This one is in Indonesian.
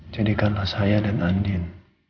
jadikanlah saya dan andin